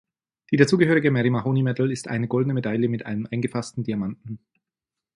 Die dazugehörige Mary Mahoney Medal ist eine goldene Medaille mit einem eingefassten Diamanten.